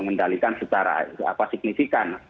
mengendalikan secara apa signifikan